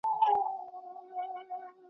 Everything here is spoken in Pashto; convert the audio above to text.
رود یوازي هغه وخت په دې پوهیږي .